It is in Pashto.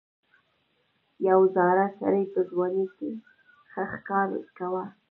یو زاړه سړي په ځوانۍ کې ښه ښکار کاوه.